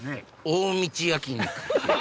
大道焼肉。